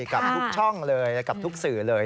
กับทุกช่องเลยกับทุกสื่อเลย